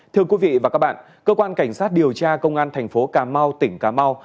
thưa quý vị và các bạn cơ quan cảnh sát điều tra công an thành phố cà mau tỉnh cà mau